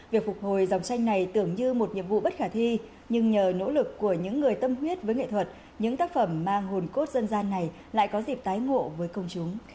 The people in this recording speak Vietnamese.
việc phục hồi dòng tranh này tưởng như một nhiệm vụ bất khả thi nhưng nhờ nỗ lực của những người tâm huyết với nghệ thuật những tác phẩm mang hồn cốt dân gian này lại có dịp tái ngộ với công chúng